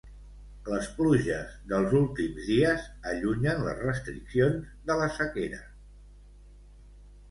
Les pluges dels últims dies allunyen les restriccions de la sequera.